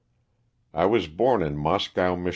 T WAS born in Moscow, Mich.